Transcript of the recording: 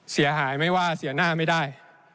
เสียหายไม่ว่าเสียหน้าไม่ได้